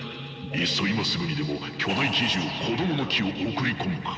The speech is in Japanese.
いっそ今すぐにでも巨大奇獣「こどもの樹」を送り込むか。